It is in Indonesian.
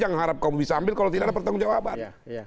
yang harap kau bisa ambil kalau tidak ada pertanggung jawaban